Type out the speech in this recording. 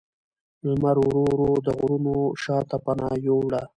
لمر ورو ورو د غرونو شا ته پناه یووړه